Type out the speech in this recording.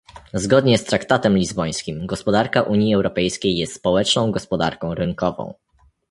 Zgodnie z traktatem lizbońskim, gospodarka Unii Europejskiej jest społeczną gospodarką rynkową